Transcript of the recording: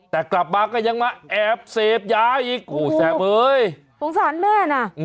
แต่กลับมาก็ยังมาแอบเสพยาอีกโอ้แซมเม่นะ